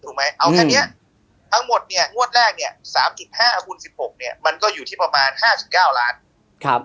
เอาแค่นี้ทั้งหมดงวดแรก๓๕คูณ๑๖มันก็อยู่ที่ประมาณ๕๙ล้าน